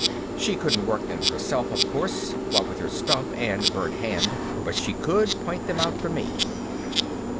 She couldn't work them herself of course, what with her stump and burnt hand, but she could point them out for me.